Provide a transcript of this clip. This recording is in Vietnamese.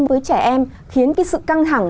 với trẻ em khiến cái sự căng thẳng